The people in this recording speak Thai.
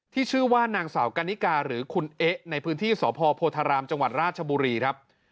ชื่อว่านางสาวกันนิกาหรือคุณเอ๊ะในพื้นที่สพโพธารามจังหวัดราชบุรีครับ